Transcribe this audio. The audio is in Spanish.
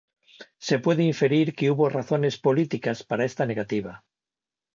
Se puede inferir que hubo razones políticas para esta negativa.